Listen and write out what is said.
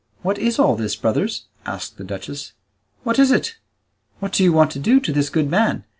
"What is all this, brothers?" asked the duchess. "What is it? What do you want to do to this good man?